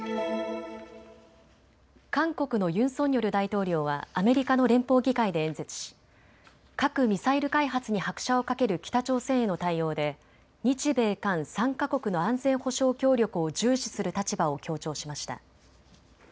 韓国のユン・ソンニョル大統領はアメリカの連邦議会で演説し核・ミサイル開発に拍車をかける北朝鮮への対応で日米韓３か国の安全保障協力を重視する立場を強調しました。